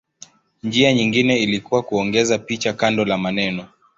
Njia nyingine ilikuwa kuongeza picha kando la maneno.